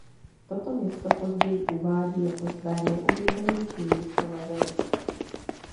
Toto město později uvádí jako své nejoblíbenější místo na Zemi.